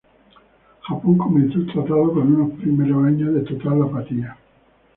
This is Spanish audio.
Japón comenzó el tratado con unos primeros años de total apatía.